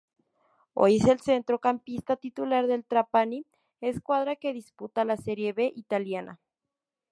Hoy es el centrocampista titular del Trapani escuadra que disputa la Serie B italiana.